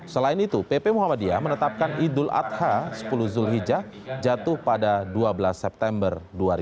selain itu pp muhammadiyah menetapkan idul adha sepuluh zulhijjah jatuh pada dua belas september dua ribu dua puluh